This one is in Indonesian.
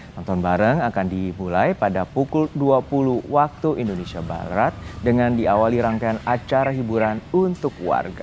nonton bareng akan dimulai pada pukul dua puluh waktu indonesia barat dengan diawali rangkaian acara hiburan untuk warga